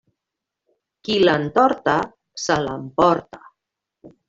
Qui l'entorta, se l'emporta.